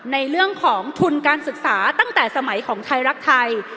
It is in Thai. ในเรื่องของทุนการศึกษาตั้งแต่สมัยของไทยรักไทย